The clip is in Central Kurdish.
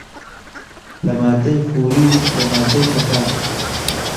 لە ماددەی خوری و لە ماددەی کەتان